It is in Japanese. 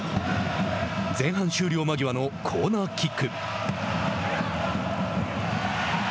前半終了間際のコーナーキック。